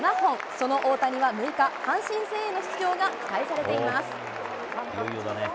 その大谷は６日、阪神戦への出場が期待されています。